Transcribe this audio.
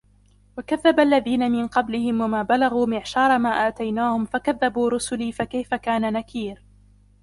وَكَذَّبَ الَّذِينَ مِنْ قَبْلِهِمْ وَمَا بَلَغُوا مِعْشَارَ مَا آتَيْنَاهُمْ فَكَذَّبُوا رُسُلِي فَكَيْفَ كَانَ نَكِيرِ